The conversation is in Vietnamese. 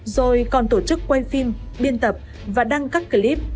rồi còn tổ chức quay phim biên tập và đăng các clip